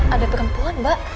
ada perempuan mbak